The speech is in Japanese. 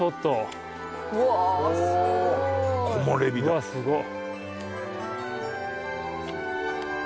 うわすごっ。